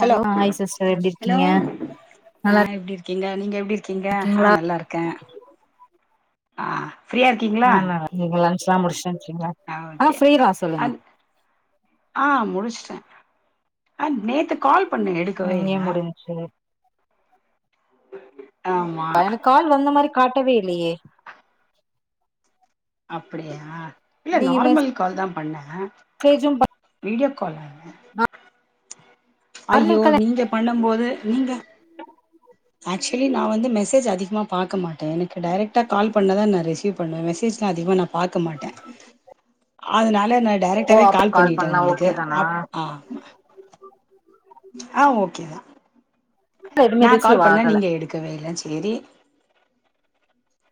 hello hi sister எப்டி hello இருக்கீங்க நல்லா அ எப்டி இருக் க்கீங்க நீங்க எப்டி இருக்கீங்க அ இருக்கீங்களா நல்லாருக்க ஆ ஃப்ரீயா இருக்கீங்களா அ நாங்க நீங்க லன்ச்லா முடிஷ்ட்டு வந்த்டிங்ளா ஆ ஃப்ரீதா சொல்லுங்க அன் ஆ முடிச்சுட்ட அ நேத்து கால் பண்ணே எடுக்கவே இங்யு இல்ல முடிஞ்ச்சு ஆமா அ எனக் கால் வந்த மாரி காட்டவே இல்லயே அப்புடியா இல்ல நார்மல் கால் தா பண்ண சேஜும் ப வீட்யோ கால அ ஐயோ நீங்கப் பண்ணம்போது நீங்க ஆக்சுலி நா வந்து மெசேஜ் அதிக்மா பாக்க மாட்ட எனக் டேரெக்டா கால் பண்ணதா நா ரிசீவ் பண்ணுவ மெசேஜ்லா அதிக்மா நா பாக்க மாட்ட அதனால நா ஓ டேரெக்ட்டாவே அப்ப கால் பண்ணிட்ட பண்ணா உங்களுக்கு ஓகே தானா அப் அ ஆ ஓகேதா எதுவுமே நா கால் ரிசீவ் பண்ணே ஆகல நீங்க எடுக்கவே இல்ல சேரி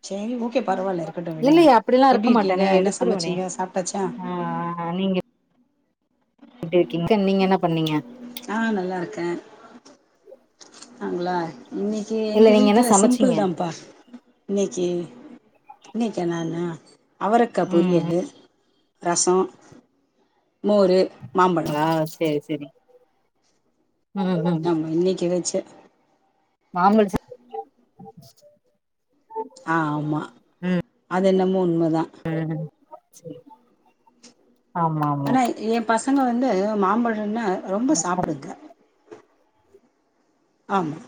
சேரி ஓகே பரவால்ல இருக்கட்டு விடுங்க இல்லையே அப்டிலா இருக்க எப்டி இருக்கீங்க மாட்டேனே என்ன எடுத்துருவனே சமச்சீங்க சாப்டாச்சா ஆ எப்டிருக்கீங்க நீங்க என்னப் பண்ணீங்க ஆ நல்லாருக்கே ஆங்களா இன்னிக்கி இல்ல எங்க நீங்க என்ன வீட்ல சமச்சீங்க சிம்பிள்தாம்ப்பா இன்னைக்கி இன்னைக்கா நானா அவரக்காப் ம் பொரியலு ரசோ மோரு மாம்பழோ ம் ஆ செரி செரி ஆமா இன்னைக்கி வெச்ச மாம்பழோ [inaudible] ஆ ஆமா அது என்னமோ உண்மதா [unintelligible] ஆமா ஆனா எம் பசங்க வந்து மாம்பழன்னா ரொம்ப சாப்டுங்க ஆமா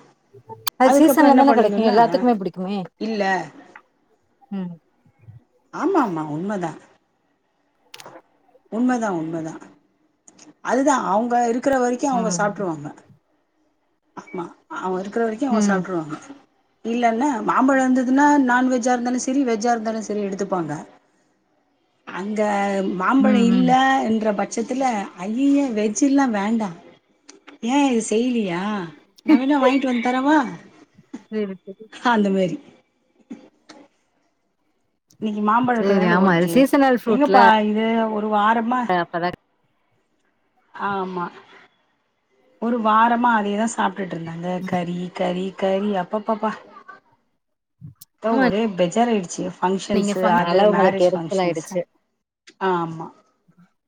அது அதுக்கப்றோ சீசன்ல என்ன தான கெடைக்கு பண்ணுங்குன்னா எல்லாத்துக்குமே புடிக்குமே இல்ல ம் ஆமா மா உண்மதா உண்மதா உண்மதா அதுதா அவுங் வெ இருக்குற வரைக்கு அவுங்க ம் சாப்ட்ருவாங்க மா அவெ இருக்குற வரைக்கு அவெ ம் சாப்ட்ருவாங்க இல்லன்னே மாம்பழோ இந்ததுன்னா நான்வெஜ்ஜா இருந்தாலு செரி வெஜ்ஜா இருந்தாலு செரி எடுத்துப்பாங்க அங்க மாம்பழ ம் ம் இல்லன்ற பட் ட்சத்துல ஐய்யய்ய வெஜ்ஜில்லா வேண்டா ஏ இது செய்லியா நா வேணா வாய்ன்ட்டு வந் தரவா சேரி சேரி அந்த மேரி இன்னிக்கி மாம்பழோ சேரி இக்கதனால ஆமா இது ஓடிச்சே சீசனல் எங்கப்பா இது ஒரு வாரமா அக்கலர் ஆமா ஒரு வாரமா அதேதாச் சாப்டுட்ருந்தாங்க கறி கறி கறி அப்பப்பப்பா த ஆமா ஒரே பெஜாராயிடுச்சு நீங்க ஃபங்க்ஷன்ஸு அது சொன்னனால உங்களுக்கு மேரேஜ் எரிச்சல் ஃபங்க்ஷன்ஸு ஆயிடுச்சு ஆ ஆமா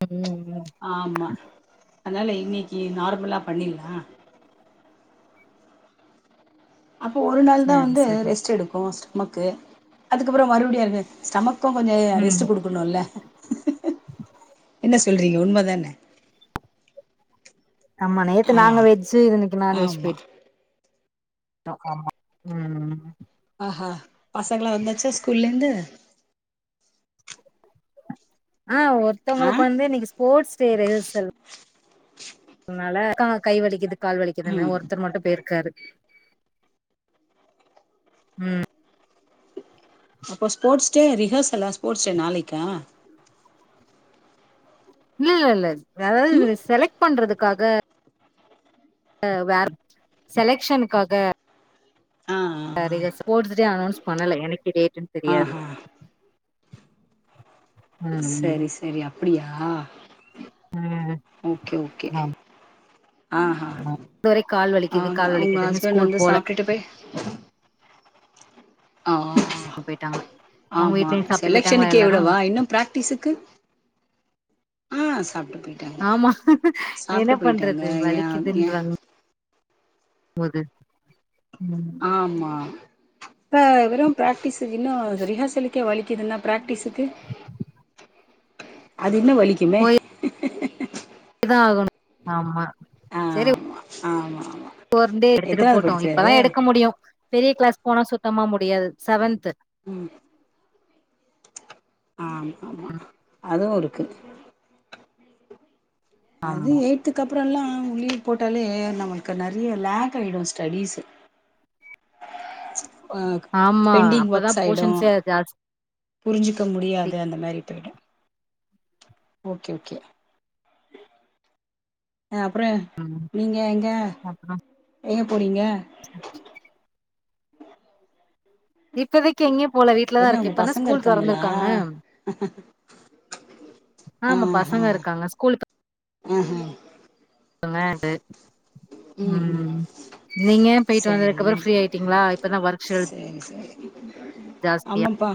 ம் ம் ஆமா அன்னால இன்னிக்கி நார்மலாப் பண்ணில்லா அப்போ ஒரு நாள்தா சேரி வந்து சேரி ரெஸ்டெடுக்கு ஸ்டொமக்கு அதுக்கப்பறோ மறுப்டியு அருமேர் ஸ்டமக் கு கொஞ்சோ ம் ரெஸ்ட்டு குடுக்குணுல்ல ன்ன சொல்றீங்க உண்மதானே ஆமா நேத்த ஆ நாங்க வெஜ்ஜு இன்னைக்கு நான்வெஜ் ஆமா போயிட்டு ட்டோ ஆமா ம் ம் ஆஹா பசங்ளா வந்தாச்சா ஸ்கூல்லேந்து ஆ ஆ ஒருத்தவுங்களுக்கு வந்து இன்னைக்கு ஸ்போர்ட் டே ரிஹர்சல் அதனால கா கை வலிக்குது கால் வலிக்குதுனு ம் ஒருத்தர் மட்டும் பேயிர்க்காரு ம் அப்போ ஸ்போர்ட்ஸ் டே ரிஹர்சலா ஸ்போர்ட்ஸ் டே நாளைக்கா இல்ல இல்ல இல்ல அதாவ்து இது செலக்ட் பண்றதுக்காக அ வேற் செலக்ஷனுக்காக ஆ ஆ சரிக ஸ்போர்ட்ஸ்டே அனோன்ஸ் பண்ணல என்னக்கி டேட்டுன் ஆ ஆ ம் சரி சரி அப்படியா ம் ஓகே ஓகே ஆமா அஹா இதுவரை கால் வலிக்குது அவுங்க கால் ஒங்க வலிக்குதுன்னு ஹஸ்பண்டு ஸ்கூல் வந்து போல சாப்ட்டுட்டு பேய் அ ஒ ஒ போயிட்டாங்க உங்க ஆமா வீட்லயு சாப்ட்டு போயிட்டாங்களா செலக்ஷனுக்கே எல்லாரு இவ்ளவா இன்னு ப்ராக் டீசர்க்கு ஆ சாப்ட்டு போய் ஆமா என்ன பண்றது ஏ ஏ வலிக்குதுன்றாங் மோது ம் ஆமாா இப்ப வெறும் பிராக்டிஸ் இன்னு ரிஹர்சலுக்கே வலிக்குதுன்னா பிராக்டிசுக்கு அது இன்னு வலிக்குமே இதா ஆகணு ஆமா சேரி ஆமா ஆமா ஆமா போர்ந்தே எடுத்துட்டு எத்தனாவது போட்டும் இப்பதா படிக்கிறாரு எடுக்க முடியும் பெரிய க்ளாஸ் போனா சுத்தமா முடியாது செவன்த்து உம் ஆம் ஆமா அதுவுருக்கு அது ஆமா எயித்துக் அப்றம்ல்லாம் லீவ் போட்டாலே நம்மளுக்கு நறைய லேக் ஆயிடும் ஸ்டீஸ்சு அ ஆமா பெண்டிங் அப்பதா ஒர்க்ஸ்யாயிடும் போஷன்ஸே ஜாஸ்தி புரிஞ்சுக்க முடியாது அந்த மாரி போயிடும் ஓகே ஓகே அ அப்புற ம் நீங்க எங்க அப்றோ எங்க போறீங்க [inaudible] இப்போதைக்கு எங்கயு போல வீட்லதாருக் இப்பன்தா ஸ்கூல் தொறந்துருக்காங்க ஹ [unintelligible] ஆமா பசங்க இருக்காங்க ஸ்கூலுக்கு ஆஹா ங்கட்டு ம் ம் உம் நீங்க போயிட்டு சரி வந்ததுக்கப்புறோ ஃப்ரீ ஆயிட்டீங்களா இப்பதான் ஒர்க்க்ஷல் சரி சரி ஜாஸ்தியா ஆமாப்பா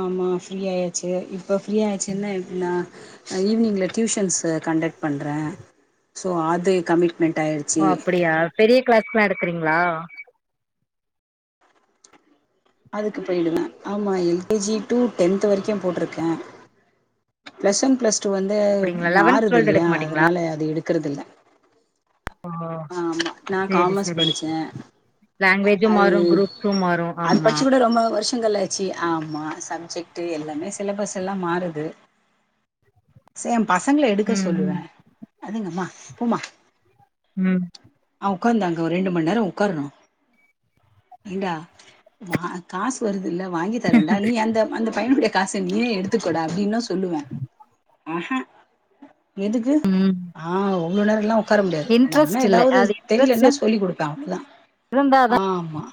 ஆமா ஃப்ரீ ஆயாச்சு இப்ப ஃப்ரீ ஆயிச்சுன்னா நா அ ஈவினிங்ல டியூஷன்ஸ் கண்டக்ட் பண்ற சோ அது கமிட்மென்ட் ஆயிரு ஓ அப்படியா பெரிய கிளாஸ்க்லா எடுக்றீங்களா அதுக்கு போயிடுவ ஆமா L K G to tenth வரைக்கும் போட்டுருக்க பிளஸ் ஒன் பிளஸ் டூ வந்து அப்டிங்களா லெவன்த் மாறுது டுவெல்த் இல்லயா எடுக்க மாட்டீங்களா அதனால அது எடுக்கறதுல்ல ஓ ஆம்மா நா சேரி காமஸ் சேரி படிச்ச லாங்குவேஜு அது மாறு குரூப்ஸு மாறு அது ஆமா படிச்சு கொட ரொம்ப வர்ஷ் ங்களாச்சி ஆமா சப்ஜெக்ட் எல்லாமே சிலபஸ் எல்லா மாறுது சேம் பசங்கள எடுக்க ம் சொல்லுவ ம் அதுங்கம்மா போமா ம் ஆ உக்கார்ந்தா அங்க ஒரு ரெண்டு மண் நேரோ உக்காரனோ ஏன்டா வா காசு வருதுல்ல வாங்கி தரண்டா நீ அந்த அந்த பையனுடைய காச நீயே எடுத்துக்கோட அப்டிதா சொல்லுவ ஆஹ எதுக்கு ம் ஆ அவ்ளோ நேரெல்லா ஒக்கார முடியா நா வேணா இன்ட்ரெஸ்ட் இல்ல ஏதாவது அது இன்ட்ரெஸ்ட் தெரிலனா சொல்லி குடுப்ப அவ்ளதா இருந்தாதா ஆம்மா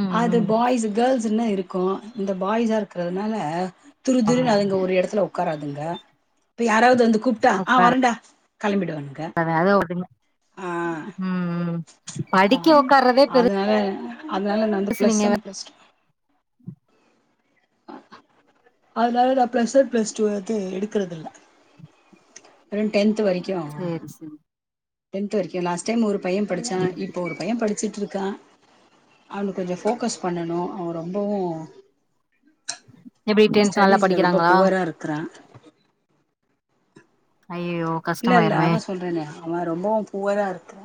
ம் அது ம் பாய்ஸ் கேள்ஸ்னா இருக்கும் இந்த பாய்ஸா இருக்கறதுனால துரு ஆமா துருனு அதுங்க ஒரு எடத்துல ஒக்காரு க்காராதுங்க இப்ப யாராது வந்து கூப்ட்டா ஆ உக்கார வறண்டா களம்பிடுவானுங்க அத [unintelligible] ம் ம் ஆ படிக்க உக்கார்தே பெரு அதனால அதனால நா வந்து ப்ளஸ் ஒன் ப்ளஸ் டூ அதனால நா ப்ளஸ் ஒன் ப்ளஸ் டூ வது எடுக்கறதில்ல ரெ டென்த் வரக்கு சேரி சரி டென்த் வரைக்கு லாஸ்ட் டைம் ஒரு பைய படிச்சா இப்போ ஒரு பைய படிச்சுட்ருக்கா அவனுகு கொஞ்சோ ஃபோக்கஸ் பண்ணணு அவ ரொம்பவு எப்டி டென்த் நல்லா ஸ்டடிஸ்ல ரொம்போ படிக்கிறாங்களா பூவரா இருக்குறா ஐயையோ இல்ல இல்ல கஷ்டமாயிருமே அதா சொல்றனே அவ ரொம்பவு புவரா இருக்க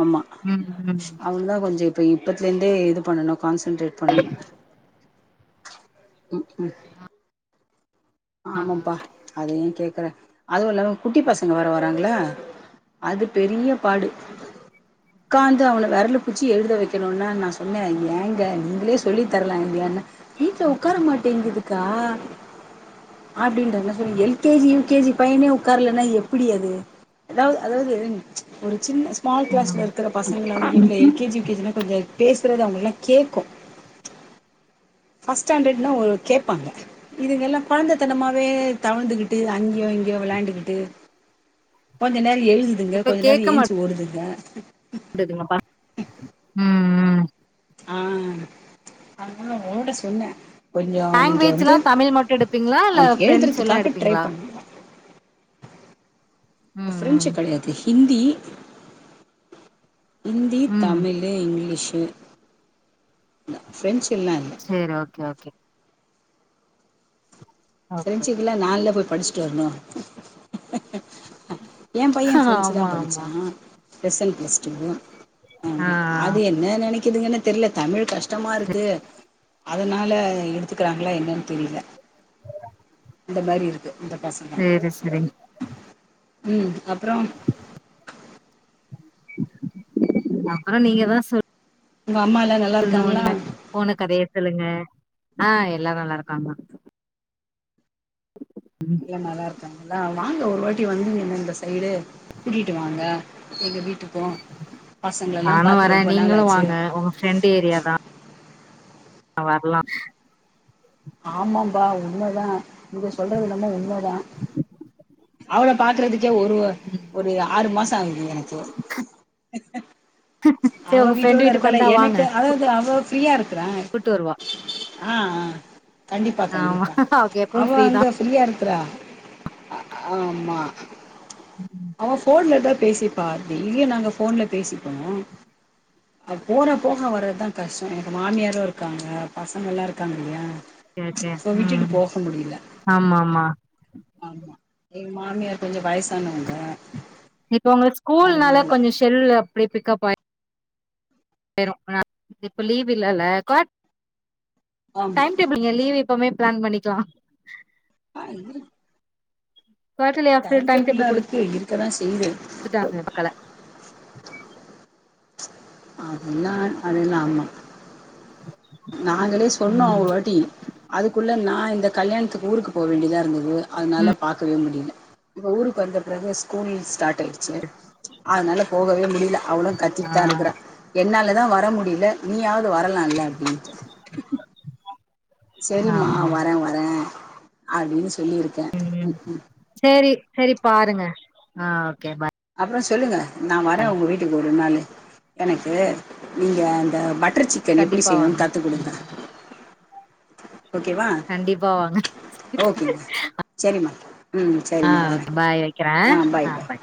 ஆமா ம் ம் அவன தா கொஞ்சோ இப்போ இப்பத்துலேந்தே இது பண்ணணு கான்சன்ட்ரேட் பண்ணணு ம் ம் ஆமாம்ப்பா அத ஏ கேக்குற அதுவு இல்லாம குட்டி பசங்க வேர வராங்களா அது பெரிய பாடு உக்காந்து அவன விரல பூச்சி எழுத வெக்கணும்னா நா சொன்னே ஏங்க நீங்களே சொல்லி தரலாங்களான வீட்ல உக்கார மாட்டேங்குதுக்கா அப்டின்ற என்ன சொல்லங்க L K G U K G பையனே உக்கார்லனா எப்டி அது அதா அதாவது ஒரு சின்ன ஸ்மால் ம் கிளாஸ்ல இருக்கிற பசங்களாவது வீட்ல எல் கே ஜி இதுமே கொஞ்சோ பேசுறது அவுங்களுக்குலா கேக்கு பஸ்ட் ஸ்டாண்டர்ட்ன்னா ஒரு கேப்பாங்க இதுங்க எல்லா கொழந்தத்தனமாவே தவழ்ந்துகிட்டு அங்கயு இங்கயு விளாண்டுக்கிட்டு கொஞ்ச நேரோ எழுதுதுங்க இப்ப கொஞ்ச நேரோ ஏஞ்சு ஓடுதுங்க ஓடுதுங்கப்பா ம் ம் ஆ அதனால ஓட சொன்ன கொஞ்சோ நீங்க வந்து லாங்குவேஜ்லா தமிழ் மட்டு எடுப்பீங்களா இல்ல அவனுக்கு ஃப்ரெண்ட்ஸ் எல்லா எழுதுறத்துகாக ட்ரை எடுப்பீங்களா பண்ணுங்க ம் ஃப்ரெஞ்சு ம் கெடயாது ஹிந்தி ஹிந்தி ம் தமிழ் ழு இங்கிலீஷ பிரெஞ்சு எல்லா இல்ல சரி ஓக்கே ஓகே ஓகே பிரெஞ்சுக்குல்லா நால போய் படிச்சுட்டு வரணு எ பைய ஃப்ரெஞ்சு ஆமா தாபடிச்சா ஆமா பிளஸ் ஒன் ப்ளஸ் டூ ஆ அது ஆ என் என்ன நெனக்குதுங்கன்னு தெர்ல தமிழ் கஷ்டமா இருக்கு அதனால எடுத்துக்கிறாங்களா என்னன்னு தெரியல இந்த மாரி இருக்கு இந்த பச தா ஸ்சுரின் ம் அப்பறோ அப்பரோ நீங்க தா சொல் உங்க அம்மால்லா ந னு நீங்க போன கதய சொல்லுங்க ஆ எல்லாரு நல்லாருக்காங்க எல்லா நல்லாருக்காங்க அ வாங்க ஒரு வாட்டி வந்திங்கனா இந்த சைடு கூட்டிட்டு வாங்க எங்க வீட்டுக் கு பசங்களல்லா பாத்து ரொம்ப நாளாச்சு ஃப்ரெண்ட் ஏரியா தா வர்லா ஆமாம்பா உண்மதா நீங்க சொல்றது என்னமோ உண்மதா அவள பாக்குறதுக்கே ஒரு ம் ஒரு ஆறு மாசோ ஆகுது எனக்கு சேரி அவ உங்க ஃப்ரெண்டு வீட்டோட வீட்டுக்கு இருக்கல வந்தா வாங்க எனக்கு அதாவது அவ ஃப்ரீயா இருக்கற கூட்டு வருவா ஆ ஆ கண்டிப்பா ஆமா கண்டிப்பா எப்பவு அவ ஃப்ரீ தா அங்க ஃப்ரீயா இருக்குறா ஆ ஆமா ம் அவ போன்ல தா பேசிப்பா டெய்லியு நாங்க போன்ல பேசிப்போ போற போக வர்துதா கஷ்டோ எனக்கு மாமியாரு இருக்காங்க பசங்கள்லா இருக்காங்க இல்லயா ஓகே ஓகே சோ விட்டுட்டு ம் போக முடில ஆமா ஆமா ஆமா எங் மாமியார் கொஞ்சோ வயசானவங்க அதுனால செல்லுல அப்டியே பிக்கப் [unintelligible] இப்ப லீவ் இல்லலா கா ஆமா டைம் டேபிள் நீங்க லீவ் இப்பவே பிளான் பண்ணிக்கலா ஆ இரு குவார்டர்லி ஆஃப்டர் டைம் டேபிள்ல்லா இருக்கு இருக்கதா செய்து த்துடாங்க மக்கள அதெல்லா அதெல்லா ஆமா நாங்களே சொன்னோ ம் ஒரு வாட்டி அதுக்குள்ள நா இந்த கல்யாணத்துக்கு ஊருக்கு போ வேண்டியதா இருந்தது அதனால ம் பாக்கவே முடியல இப்ப ஊருக்கு வந்த பெறகு ஸ்கூல்ஸ் ஸ்டார்ட் ஆய்டுச்சு அதனால போகவே முடியல அவளு கத்திட்டு ஆ தா இருக்குறா என்னா தா வர முடியல நீயாவது வரலால்லா அப்டின்ட்டு செரிமா ஆமா வரே வரே அப்டின்னு சொல்லிருக்கே ம் ம் சேரி செரி பாருங்க ஆ ஓகே பாய் அப்றோ சொல்லுங்க நா வரே உங்க வீட்டுக்கு ஒரு நாளு எனக்கு நீங்க அந்த ப ட்ர் சிக்கன் எப்டி கண்டிப்பா செய்யணுனு வாங்க கத்து குடுங்க ஓகேவா கண்டிப்பா வாங்க ஓகேங்க சரிம்மா ம் ஆ சரிம்மா வரேன் ஓகே பாய் வைக்கிறே ஆ பாய்